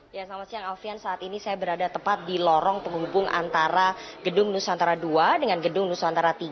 selamat siang alfian saat ini saya berada tepat di lorong penghubung antara gedung nusantara ii dengan gedung nusantara tiga